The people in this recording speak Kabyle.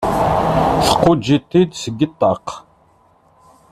Tquǧǧ-it-id seg ṭṭaq.